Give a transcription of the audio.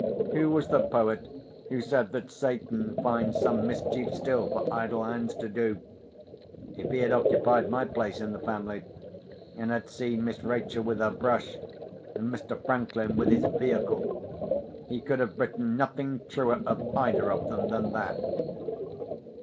Who was the poet who said that Satan finds some mischief still for idle hands to do? If he had occupied my place in the family, and had seen Miss Rachel with her brush, and Mr. Franklin with his vehicle, he could have written nothing truer of either of them than that.